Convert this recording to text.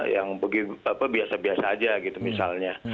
yang apa yang biasa biasa aja gitu misalnya